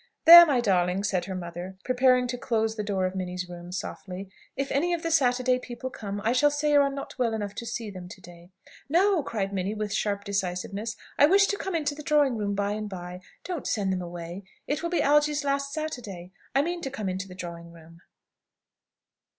"There, my darling," said her mother, preparing to close the door of Minnie's room softly. "If any of the Saturday people come I shall say you are not well enough to see them to day." "No!" cried Minnie, with sharp decisiveness. "I wish to come into the drawing room by and by. Don't send them away. It will be Algy's last Saturday. I mean to come into the drawing room."